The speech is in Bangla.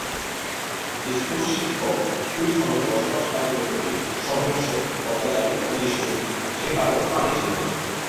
স্কুল শিক্ষক সুইট হোমে বসবাসকারীদের প্রতি সহিংস, অত্যাচারী ও নিষ্ঠুর, সে তাদের প্রাণি হিসেবে দেখে।